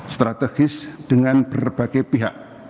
strategis dengan berbagai pihak